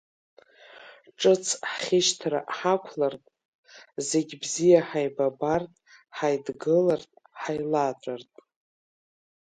Ҿыц ҳхьышьҭра ҳаақәлартә, зегь бзиа ҳаибабартә, ҳаидгылартә, ҳаилаҵәартә!